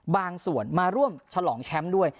บางส่วนมาร่วมฉลองแชมป์ด้วย